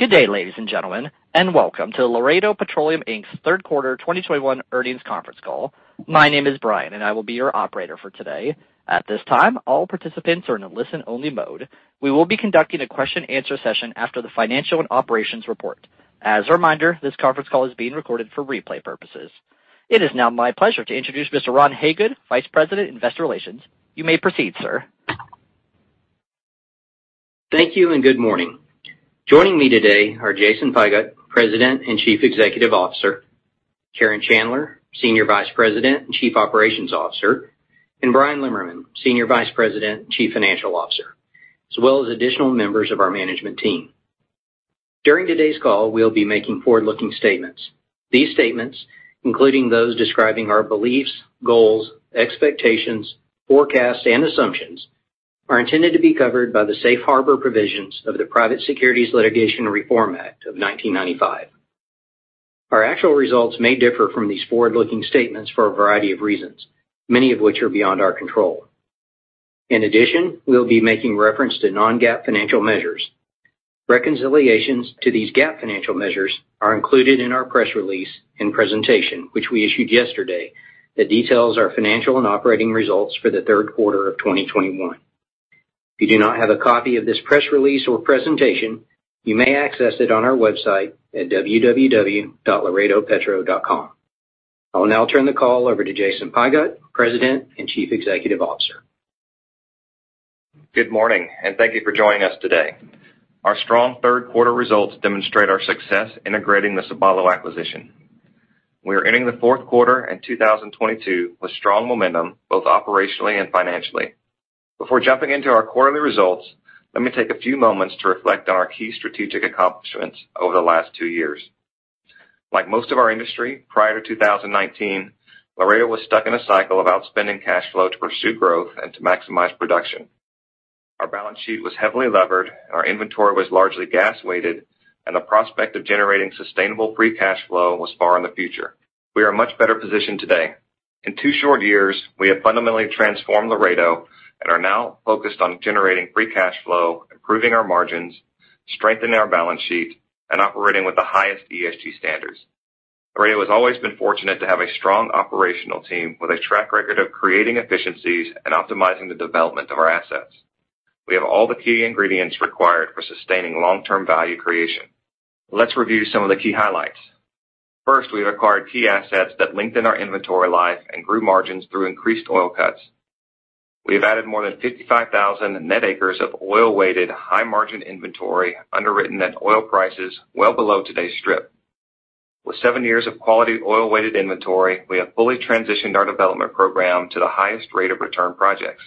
Good day, ladies and gentlemen, and welcome to Laredo Petroleum, Inc.'s Third Quarter 2021 Earnings Conference Call. My name is Brian and I will be your operator for today. At this time, all participants are in a listen-only mode. We will be conducting a question-and-answer session after the financial and operations report. As a reminder, this conference call is being recorded for replay purposes. It is now my pleasure to introduce Mr. Ron Hagood, Vice President, Investor Relations. You may proceed, sir. Thank you and good morning. Joining me today are Jason Pigott, President and Chief Executive Officer, Karen Chandler, Senior Vice President and Chief Operating Officer, and Bryan Lemmerman, Senior Vice President and Chief Financial Officer, as well as additional members of our management team. During today's call, we'll be making forward-looking statements. These statements, including those describing our beliefs, goals, expectations, forecasts, and assumptions, are intended to be covered by the safe harbor provisions of the Private Securities Litigation Reform Act of 1995. Our actual results may differ from these forward-looking statements for a variety of reasons, many of which are beyond our control. In addition, we'll be making reference to non-GAAP financial measures. Reconciliations to these GAAP financial measures are included in our press release and presentation, which we issued yesterday, that details our financial and operating results for the third quarter of 2021. If you do not have a copy of this press release or presentation, you may access it on our website at www.laredopetro.com. I will now turn the call over to Jason Pigott, President and Chief Executive Officer. Good morning, and thank you for joining us today. Our strong third quarter results demonstrate our success integrating the Sabalo acquisition. We are ending the fourth quarter in 2022 with strong momentum, both operationally and financially. Before jumping into our quarterly results, let me take a few moments to reflect on our key strategic accomplishments over the last two years. Like most of our industry, prior to 2019, Laredo was stuck in a cycle of outspending cash flow to pursue growth and to maximize production. Our balance sheet was heavily levered, our inventory was largely gas-weighted, and the prospect of generating sustainable free cash flow was far in the future. We are much better positioned today. In two short years, we have fundamentally transformed Laredo and are now focused on generating free cash flow, improving our margins, strengthening our balance sheet, and operating with the highest ESG standards. Laredo has always been fortunate to have a strong operational team with a track record of creating efficiencies and optimizing the development of our assets. We have all the key ingredients required for sustaining long-term value creation. Let's review some of the key highlights. First, we've acquired key assets that lengthened our inventory life and grew margins through increased oil cuts. We have added more than 55,000 net acres of oil-weighted, high-margin inventory underwritten at oil prices well below today's strip. With seven years of quality oil-weighted inventory, we have fully transitioned our development program to the highest rate of return projects.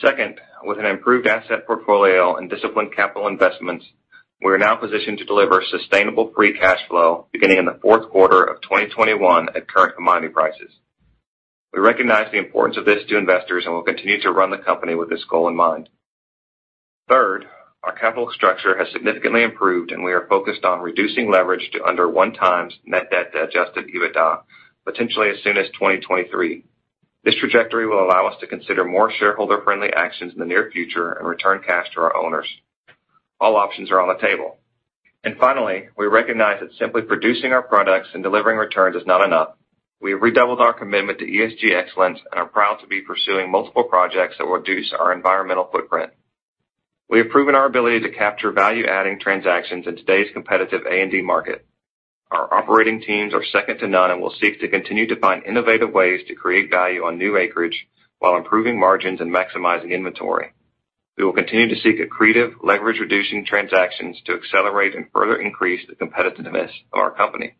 Second, with an improved asset portfolio and disciplined capital investments, we are now positioned to deliver sustainable free cash flow beginning in the fourth quarter of 2021 at current commodity prices. We recognize the importance of this to investors and will continue to run the company with this goal in mind. Third, our capital structure has significantly improved, and we are focused on reducing leverage to under one times net debt to adjusted EBITDA, potentially as soon as 2023. This trajectory will allow us to consider more shareholder-friendly actions in the near future and return cash to our owners. All options are on the table. Finally, we recognize that simply producing our products and delivering returns is not enough. We have redoubled our commitment to ESG excellence and are proud to be pursuing multiple projects that will reduce our environmental footprint. We have proven our ability to capture value-adding transactions in today's competitive A&D market. Our operating teams are second to none and will seek to continue to find innovative ways to create value on new acreage while improving margins and maximizing inventory. We will continue to seek accretive, leverage-reducing transactions to accelerate and further increase the competitiveness of our company.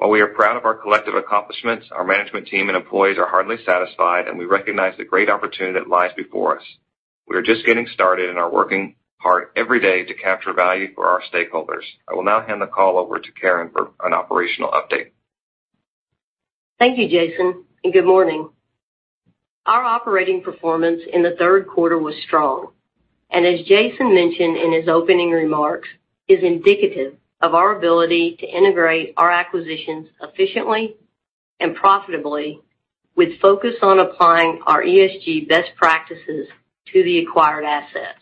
While we are proud of our collective accomplishments, our management team and employees are hardly satisfied, and we recognize the great opportunity that lies before us. We are just getting started and are working hard every day to capture value for our stakeholders. I will now hand the call over to Karen for an operational update. Thank you, Jason, and good morning. Our operating performance in the third quarter was strong, and as Jason mentioned in his opening remarks, is indicative of our ability to integrate our acquisitions efficiently and profitably with focus on applying our ESG best practices to the acquired assets.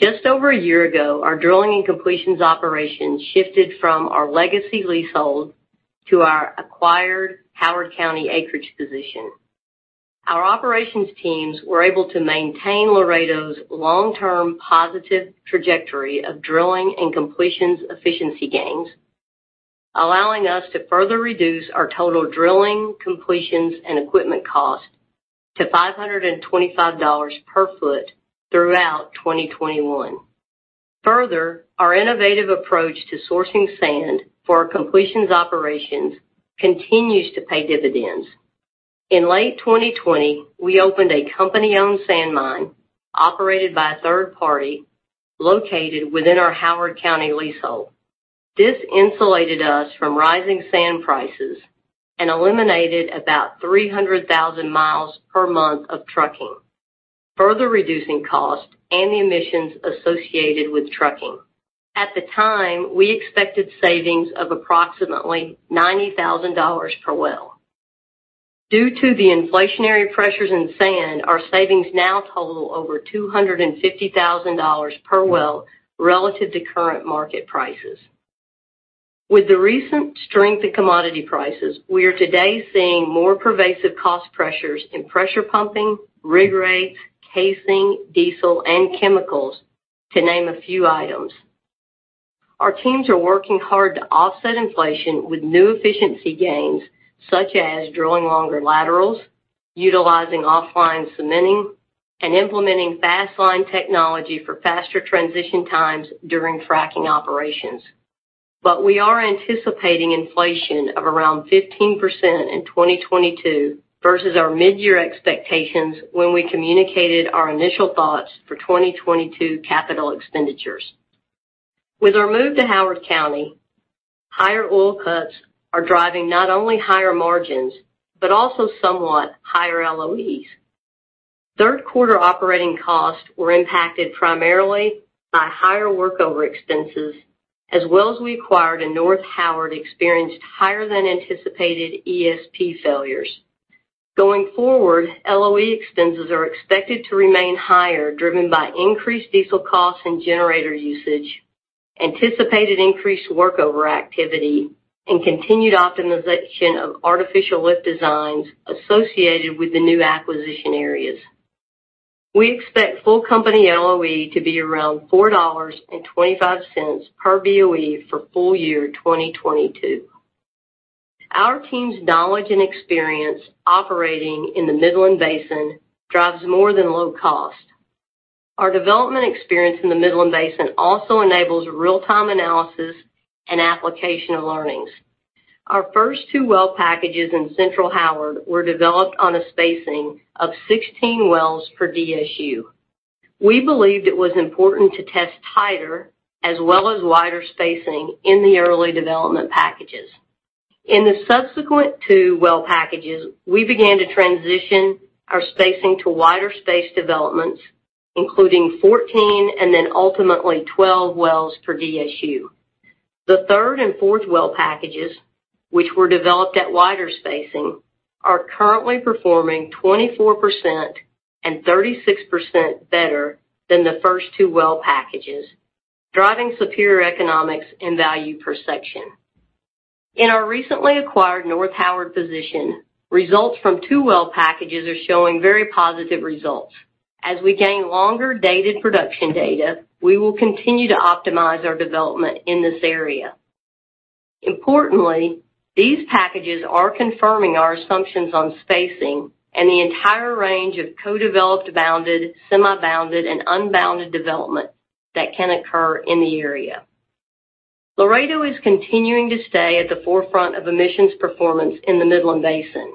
Just over a year ago, our drilling and completions operations shifted from our legacy leasehold to our acquired Howard County acreage position. Our operations teams were able to maintain Laredo's long-term positive trajectory of drilling and completions efficiency gains, allowing us to further reduce our total drilling, completions, and equipment cost to $525 per foot throughout 2021. Further, our innovative approach to sourcing sand for our completions operations continues to pay dividends. In late 2020, we opened a company-owned sand mine operated by a third party located within our Howard County leasehold. This insulated us from rising sand prices and eliminated about 300,000 mi per month of trucking, further reducing cost and the emissions associated with trucking. At the time, we expected savings of approximately $90,000 per well. Due to the inflationary pressures in sand, our savings now total over $250,000 per well relative to current market prices. With the recent strength in commodity prices, we are today seeing more pervasive cost pressures in pressure pumping, rig rates, casing, diesel, and chemicals, to name a few items. Our teams are working hard to offset inflation with new efficiency gains, such as drilling longer laterals, utilizing offline cementing, and implementing fast line technology for faster transition times during fracking operations. We are anticipating inflation of around 15% in 2022 versus our mid-year expectations when we communicated our initial thoughts for 2022 capital expenditures. With our move to Howard County, higher oil cuts are driving not only higher margins, but also somewhat higher LOE. Third quarter operating costs were impacted primarily by higher workover expenses as wells we acquired in North Howard experienced higher than anticipated ESP failures. Going forward, LOE expenses are expected to remain higher, driven by increased diesel costs and generator usage, anticipated increased workover activity, and continued optimization of artificial lift designs associated with the new acquisition areas. We expect full company LOE to be around $4.25 per BOE for full year 2022. Our team's knowledge and experience operating in the Midland Basin drives more than low cost. Our development experience in the Midland Basin also enables real-time analysis and application learnings. Our first two well packages in Central Howard were developed on a spacing of 16 wells per DSU. We believed it was important to test tighter as well as wider spacing in the early development packages. In the subsequent two well packages, we began to transition our spacing to wider space developments, including 14 and then ultimately 12 wells per DSU. The third and fourth well packages, which were developed at wider spacing, are currently performing 24% and 36% better than the first two well packages, driving superior economics and value per section. In our recently acquired North Howard position, results from two well packages are showing very positive results. As we gain longer dated production data, we will continue to optimize our development in this area. Importantly, these packages are confirming our assumptions on spacing and the entire range of co-developed bounded, semi-bounded, and unbounded development that can occur in the area. Laredo is continuing to stay at the forefront of emissions performance in the Midland Basin.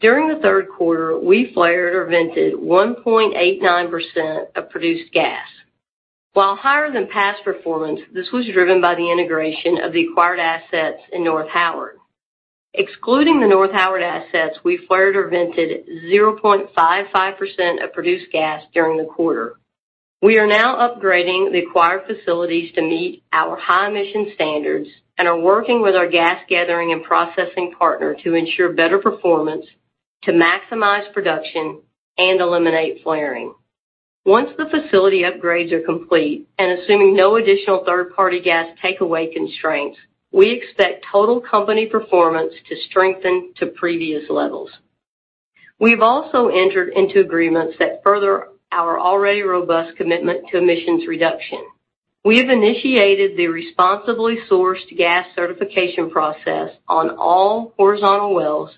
During the third quarter, we flared or vented 1.89% of produced gas. While higher than past performance, this was driven by the integration of the acquired assets in North Howard. Excluding the North Howard assets, we flared or vented 0.55% of produced gas during the quarter. We are now upgrading the acquired facilities to meet our high emission standards and are working with our gas gathering and processing partner to ensure better performance to maximize production and eliminate flaring. Once the facility upgrades are complete and assuming no additional third-party gas takeaway constraints, we expect total company performance to strengthen to previous levels. We've also entered into agreements that further our already robust commitment to emissions reduction. We have initiated the responsibly sourced gas certification process on all horizontal wells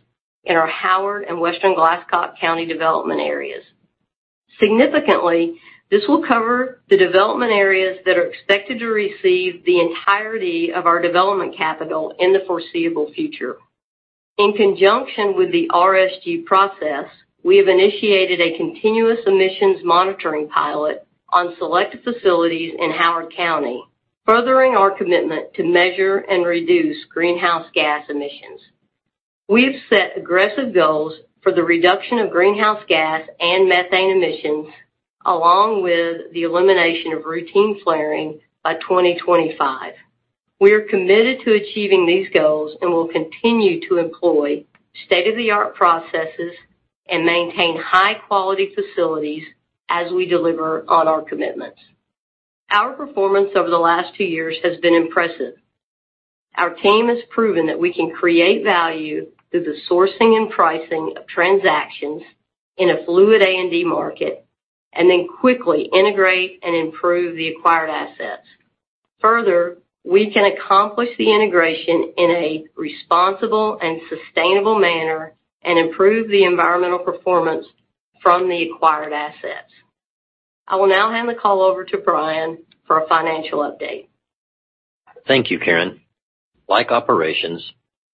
in our Howard and Western Glasscock County development areas. Significantly, this will cover the development areas that are expected to receive the entirety of our development capital in the foreseeable future. In conjunction with the RSG process, we have initiated a continuous emissions monitoring pilot on selected facilities in Howard County, furthering our commitment to measure and reduce greenhouse gas emissions. We've set aggressive goals for the reduction of greenhouse gas and methane emissions, along with the elimination of routine flaring by 2025. We are committed to achieving these goals and will continue to employ state-of-the-art processes and maintain high-quality facilities as we deliver on our commitments. Our performance over the last two years has been impressive. Our team has proven that we can create value through the sourcing and pricing of transactions in a fluid A&D market and then quickly integrate and improve the acquired assets. Further, we can accomplish the integration in a responsible and sustainable manner and improve the environmental performance from the acquired assets. I will now hand the call over to Bryan for a financial update. Thank you, Karen. Like operations,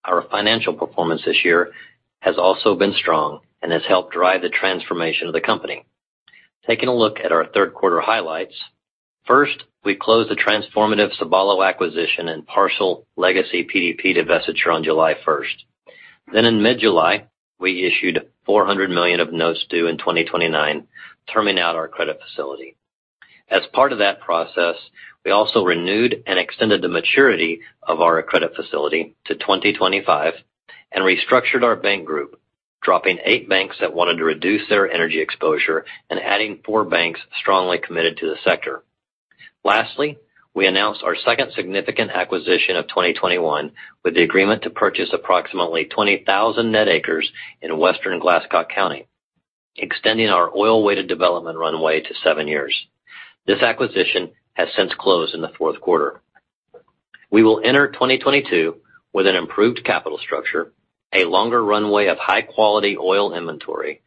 our financial performance this year has also been strong and has helped drive the transformation of the company. Taking a look at our third quarter highlights. First, we closed the transformative Sabalo acquisition and partial legacy PDP divestiture on July 1. In mid-July, we issued $400 million of notes due in 2029, terming out our credit facility. As part of that process, we also renewed and extended the maturity of our credit facility to 2025 and restructured our bank group, dropping 8 banks that wanted to reduce their energy exposure and adding 4 banks strongly committed to the sector. Lastly, we announced our second significant acquisition of 2021 with the agreement to purchase approximately 20,000 net acres in Western Glasscock County, extending our oil-weighted development runway to 7 years. This acquisition has since closed in the fourth quarter. We will enter 2022 with an improved capital structure, a longer runway of high-quality oil inventory,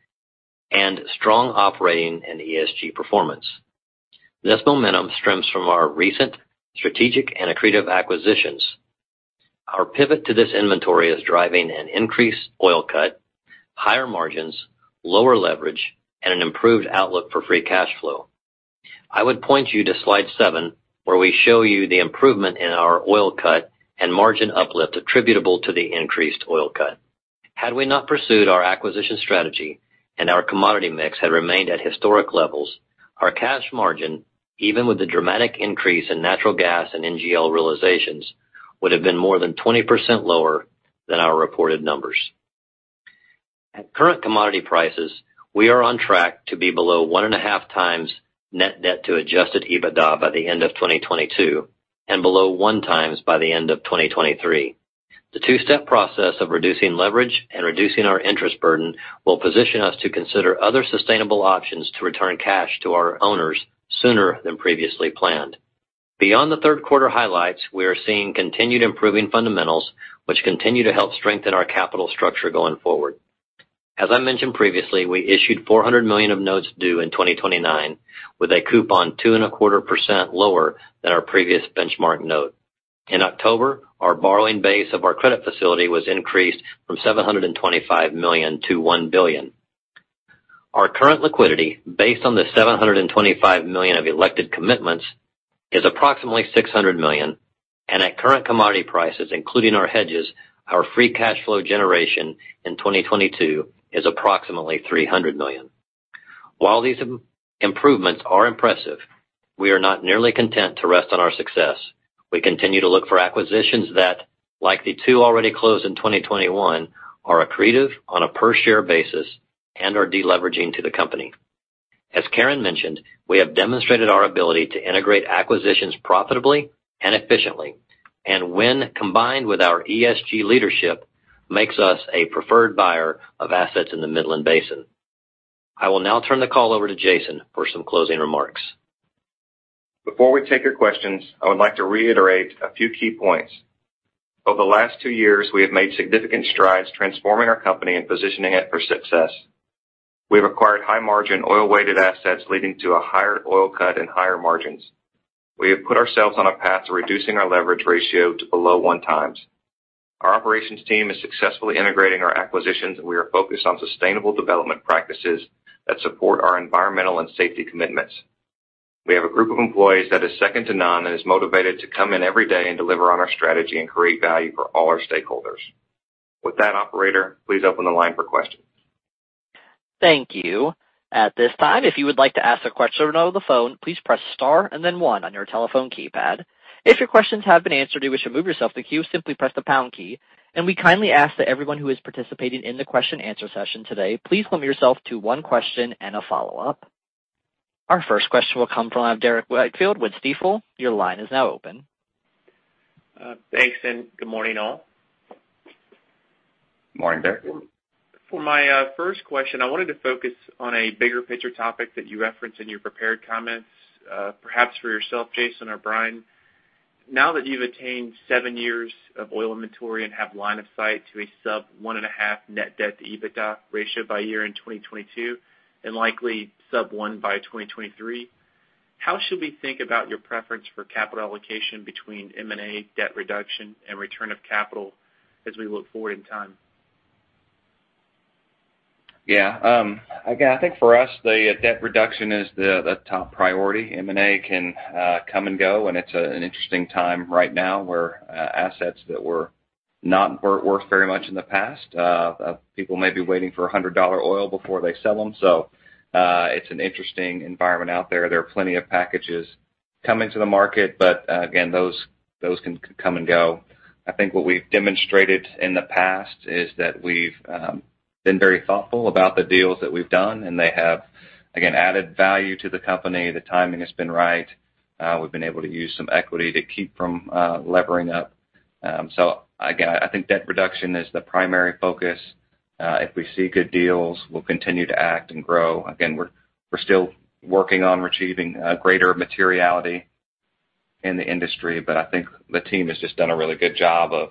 and strong operating and ESG performance. This momentum stems from our recent strategic and accretive acquisitions. Our pivot to this inventory is driving an increased oil cut, higher margins, lower leverage, and an improved outlook for free cash flow. I would point you to slide 7, where we show you the improvement in our oil cut and margin uplift attributable to the increased oil cut. Had we not pursued our acquisition strategy and our commodity mix had remained at historic levels, our cash margin, even with the dramatic increase in natural gas and NGL realizations, would have been more than 20% lower than our reported numbers. At current commodity prices, we are on track to be below 1.5x net debt to adjusted EBITDA by the end of 2022 and below 1x by the end of 2023. The two-step process of reducing leverage and reducing our interest burden will position us to consider other sustainable options to return cash to our owners sooner than previously planned. Beyond the third quarter highlights, we are seeing continued improving fundamentals, which continue to help strengthen our capital structure going forward. As I mentioned previously, we issued $400 million of notes due in 2029 with a coupon 2.25% lower than our previous benchmark note. In October, our borrowing base of our credit facility was increased from $725 million-$1 billion. Our current liquidity, based on the $725 million of elected commitments, is approximately $600 million. At current commodity prices, including our hedges, our free cash flow generation in 2022 is approximately $300 million. While these improvements are impressive, we are not nearly content to rest on our success. We continue to look for acquisitions that, like the two already closed in 2021, are accretive on a per-share basis and are deleveraging to the company. As Karen mentioned, we have demonstrated our ability to integrate acquisitions profitably and efficiently, and when combined with our ESG leadership, makes us a preferred buyer of assets in the Midland Basin. I will now turn the call over to Jason for some closing remarks. Before we take your questions, I would like to reiterate a few key points. Over the last two years, we have made significant strides transforming our company and positioning it for success. We have acquired high-margin oil-weighted assets, leading to a higher oil cut and higher margins. We have put ourselves on a path to reducing our leverage ratio to below one times. Our operations team is successfully integrating our acquisitions, and we are focused on sustainable development practices that support our environmental and safety commitments. We have a group of employees that is second to none and is motivated to come in every day and deliver on our strategy and create value for all our stakeholders. With that, operator, please open the line for questions. Thank you. At this time, if you would like to ask a question over the phone, please press star and then one on your telephone keypad. If your questions have been answered or you wish to remove yourself from the queue, simply press the pound key. We kindly ask that everyone who is participating in the question-answer session today, please limit yourself to one question and a follow-up. Our first question will come from Derrick Whitfield with Stifel. Your line is now open. Thanks, and good morning, all. Morning, Derrick. For my first question, I wanted to focus on a bigger picture topic that you referenced in your prepared comments, perhaps for yourself, Jason or Bryan. Now that you've attained seven years of oil inventory and have line of sight to a sub-1.5 net debt-to-EBITDA ratio by year-end 2022 and likely sub-1 by 2023, how should we think about your preference for capital allocation between M&A, debt reduction and return of capital as we look forward in time? Yeah. Again, I think for us, the debt reduction is the top priority. M&A can come and go, and it's an interesting time right now where assets that were not worth very much in the past, people may be waiting for $100 oil before they sell them. It's an interesting environment out there. There are plenty of packages coming to the market, but again, those can come and go. I think what we've demonstrated in the past is that we've been very thoughtful about the deals that we've done, and they have again added value to the company. The timing has been right. We've been able to use some equity to keep from levering up. Again, I think debt reduction is the primary focus. If we see good deals, we'll continue to act and grow. Again, we're still working on achieving greater materiality in the industry. I think the team has just done a really good job of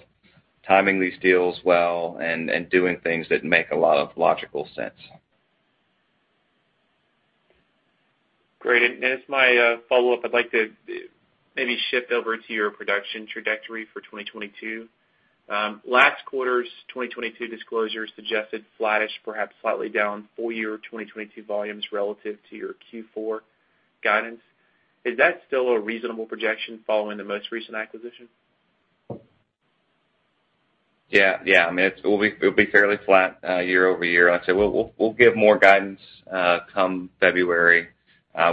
timing these deals well and doing things that make a lot of logical sense. Great. As my follow-up, I'd like to maybe shift over to your production trajectory for 2022. Last quarter's 2022 disclosures suggested flattish, perhaps slightly down full year 2022 volumes relative to your Q4 guidance. Is that still a reasonable projection following the most recent acquisition? Yeah. Yeah. I mean, we'll be fairly flat year over year. Like I say, we'll give more guidance come February.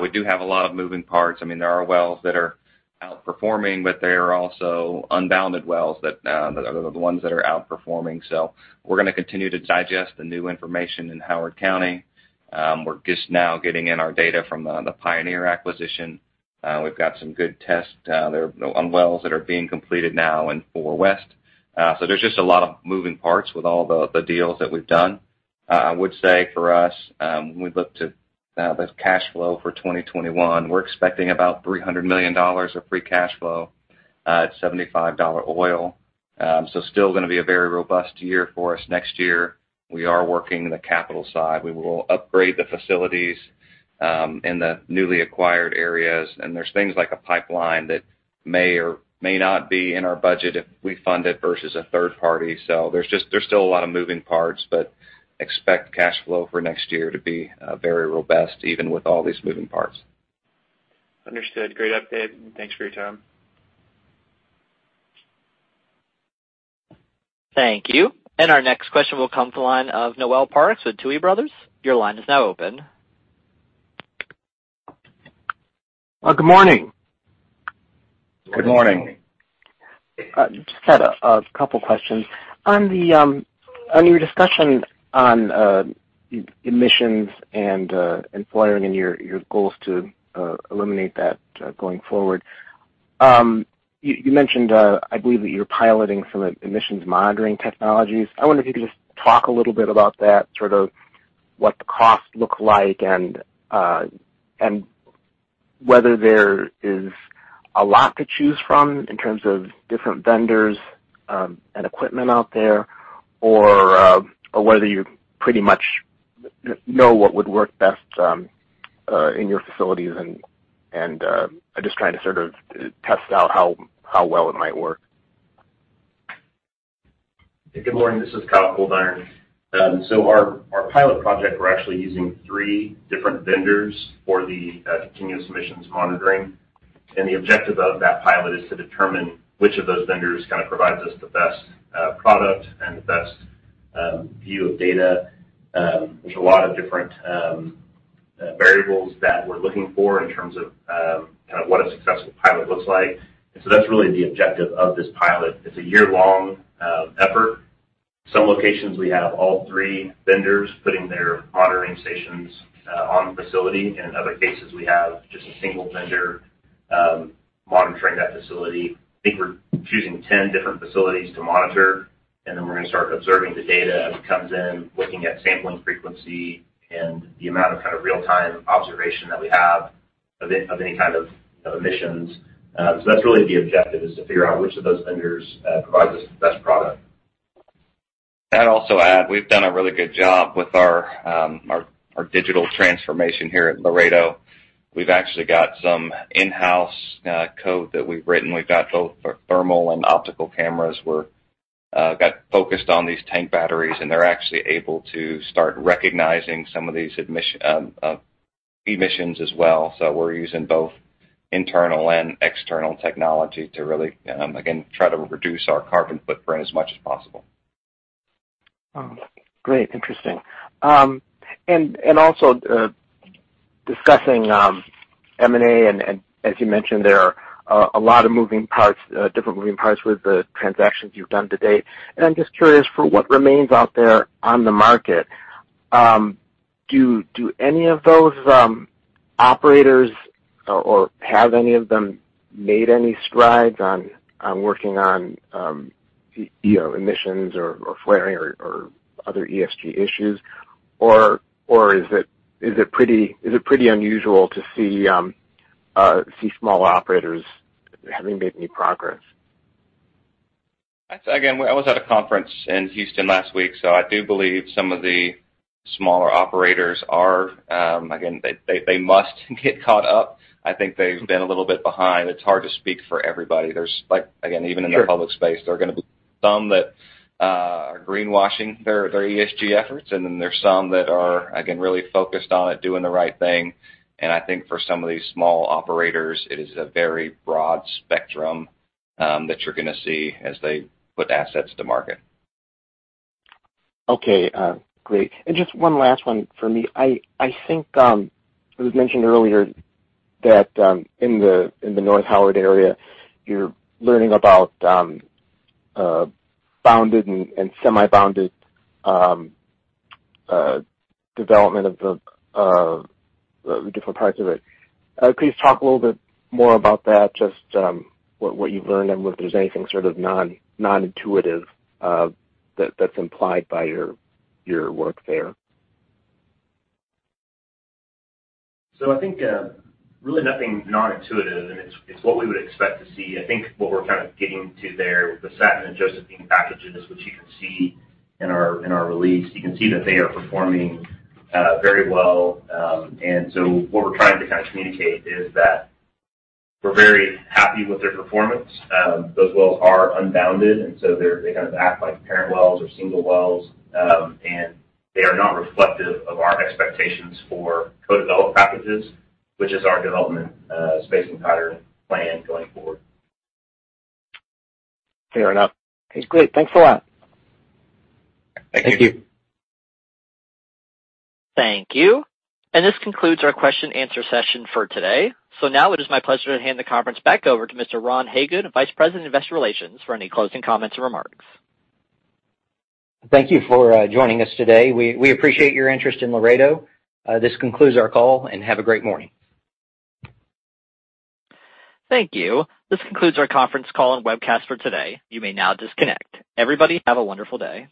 We do have a lot of moving parts. I mean, there are wells that are outperforming, but there are also unbounded wells that are the ones that are outperforming. We're gonna continue to digest the new information in Howard County. We're just now getting in our data from the Pioneer acquisition. We've got some good tests there on wells that are being completed now in four West. There's just a lot of moving parts with all the deals that we've done. I would say for us, when we look to the cash flow for 2021, we're expecting about $300 million of free cash flow at $75 oil. Still gonna be a very robust year for us next year. We are working the capital side. We will upgrade the facilities in the newly acquired areas, and there's things like a pipeline that may or may not be in our budget if we fund it versus a third party. There's still a lot of moving parts, but expect cash flow for next year to be very robust, even with all these moving parts. Understood. Great update, and thanks for your time. Thank you. Our next question will come to the line of Noel Parks with Tuohy Brothers. Your line is now open. Good morning. Good morning. Just had a couple questions. On your discussion on emissions and flaring and your goals to eliminate that going forward, you mentioned, I believe, that you're piloting some emissions monitoring technologies. I wonder if you could just talk a little bit about that, sort of what the costs look like, and whether there is a lot to choose from in terms of different vendors and equipment out there, or whether you pretty much know what would work best in your facilities and just trying to sort of test out how well it might work. Good morning. This is Kyle Coldiron. Our pilot project, we're actually using three different vendors for the continuous emissions monitoring. The objective of that pilot is to determine which of those vendors kind of provides us the best product and the best view of data. There's a lot of different variables that we're looking for in terms of kind of what a successful pilot looks like. That's really the objective of this pilot. It's a year-long effort. Some locations, we have all three vendors putting their monitoring stations on the facility. In other cases, we have just a single vendor monitoring that facility. I think we're choosing 10 different facilities to monitor, and then we're gonna start observing the data as it comes in, looking at sampling frequency and the amount of kind of real-time observation that we have of any kind of emissions. That's really the objective, is to figure out which of those vendors provides us the best product. I'd also add, we've done a really good job with our digital transformation here at Laredo. We've actually got some in-house code that we've written. We've got both thermal and optical cameras. We've got focused on these tank batteries, and they're actually able to start recognizing some of these emissions as well. We're using both internal and external technology to really again try to reduce our carbon footprint as much as possible. Great. Interesting. Also, discussing M&A, and as you mentioned, there are a lot of moving parts, different moving parts with the transactions you've done to date. I'm just curious for what remains out there on the market, do any of those operators or have any of them made any strides on working on, you know, emissions or flaring or other ESG issues? Is it pretty unusual to see small operators having made any progress? I'd say again, I was at a conference in Houston last week, so I do believe some of the smaller operators are again, they must get caught up. I think they've been a little bit behind. It's hard to speak for everybody. There's like, again, even in the public space, there are gonna be some that are greenwashing their ESG efforts, and then there's some that are again, really focused on it, doing the right thing. I think for some of these small operators, it is a very broad spectrum that you're gonna see as they put assets to market. Okay. Great. Just one last one for me. I think it was mentioned earlier that in the North Howard area, you're learning about bounded and semi-bounded development of the different parts of it. Could you talk a little bit more about that, just what you've learned and whether there's anything sort of non-intuitive that's implied by your work there? I think really nothing non-intuitive, and it's what we would expect to see. I think what we're kind of getting to there with the Satnin and Josephine packages, which you can see in our release, you can see that they are performing very well. What we're trying to kind of communicate is that we're very happy with their performance. Those wells are unbounded, and they're they kind of act like parent wells or single wells, and they are not reflective of our expectations for co-developed packages, which is our development spacing pattern plan going forward. Fair enough. Okay, great. Thanks a lot. Thank you. Thank you. This concludes our question and answer session for today. Now it is my pleasure to hand the conference back over to Mr. Ron Hagood, Vice President of Investor Relations, for any closing comments or remarks. Thank you for joining us today. We appreciate your interest in Laredo. This concludes our call, and have a great morning. Thank you. This concludes our conference call and webcast for today. You may now disconnect. Everybody, have a wonderful day.